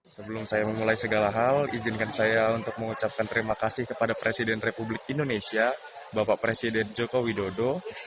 sebelum saya memulai segala hal izinkan saya untuk mengucapkan terima kasih kepada presiden republik indonesia bapak presiden joko widodo